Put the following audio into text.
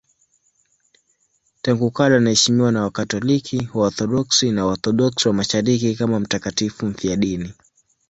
Tangu kale anaheshimiwa na Wakatoliki, Waorthodoksi na Waorthodoksi wa Mashariki kama mtakatifu mfiadini.